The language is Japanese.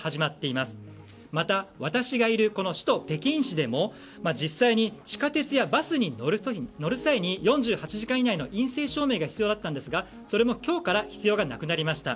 また、私がいる首都・北京市でも実際に、地下鉄やバスに乗る際に４８時間以内の陰性証明が必要だったんですがそれも今日から必要がなくなりました。